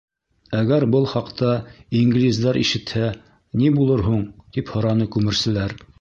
— Әгәр был хаҡта инглиздәр ишетһә, ни булыр һуң? — тип һораны күмерселәр.